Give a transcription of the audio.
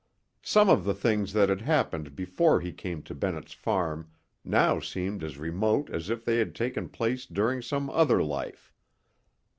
Some of the things that had happened before he came to Bennett's Farm now seemed as remote as if they had taken place during some other life.